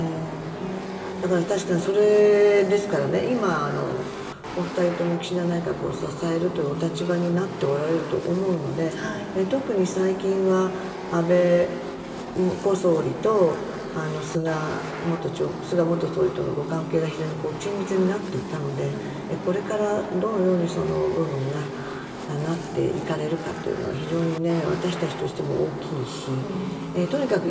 だから確かに、今お二人とも岸田内閣を支えるというお立場になっておられると思うので特に最近は、安倍元総理と菅元総理との関係が非常に緊密になっていたのでこれからどのようにその部分がなっていかれるかというのは非常に私たちとしても大きいしとにかく